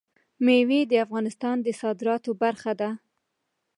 مېوې د افغانستان د صادراتو برخه ده.